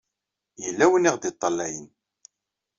Yella win i ɣ-d-iṭṭalayen.